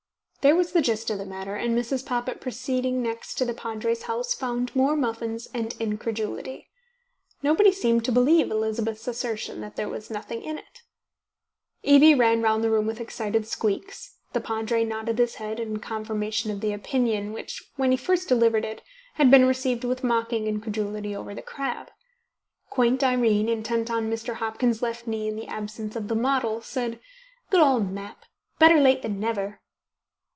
There was the gist of the matter, and Mrs. Poppit proceeding next to the Padre's house, found more muffins and incredulity. Nobody seemed to believe Elizabeth's assertion that there was "nothing in it". Evie ran round the room with excited squeaks, the Padre nodded his head, in confirmation of the opinion which, when he first delivered it, had been received with mocking incredulity over the crab. Quaint Irene, intent on Mr. Hopkins's left knee in the absence of the model, said: "Good old Map; better late than never."